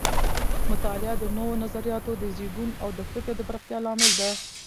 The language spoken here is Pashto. مطالعه د نوو نظریاتو د زیږون او د فکر د پراختیا لامل ده.